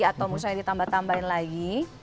atau misalnya ditambah tambahin lagi